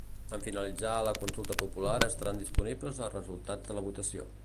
En finalitzar la consulta popular estaran disponibles els resultats de la votació